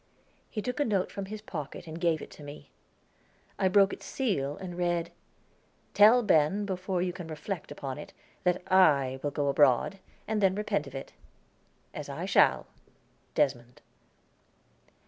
He took a note from his pocket and gave it to me. I broke its seal, and read: "Tell Ben, before you can reflect upon it, that I will go abroad, and then repent of it, as I shall. Desmond."